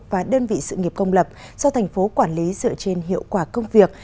và đơn vị sự nghiệp công lập do tp hcm dựa trên hiệu quả công việc